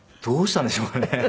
どうしたんでしょうかね？